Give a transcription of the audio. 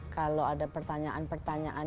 kalau ada pertanyaan pertanyaan